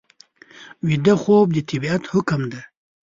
ویده خوب د طبیعت حکم دی